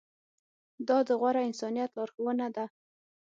دا د غوره انسانیت لارښوونه ده.